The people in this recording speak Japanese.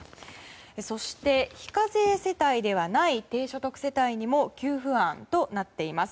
そして、非課税世帯ではない低所得世帯にも給付案となっています。